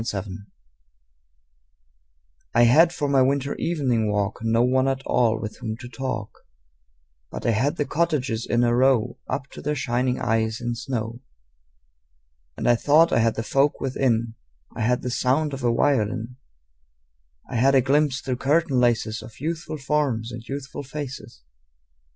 Good Hours I HAD for my winter evening walk No one at all with whom to talk, But I had the cottages in a row Up to their shining eyes in snow. And I thought I had the folk within: I had the sound of a violin; I had a glimpse through curtain laces Of youthful forms and youthful faces.